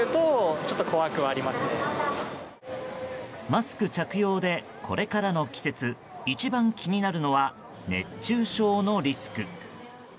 マスク着用で、これからの季節一番気になるのは熱中症のリスク。